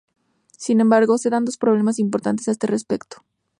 Sin embargo, se dan dos problemas importantes a este respecto.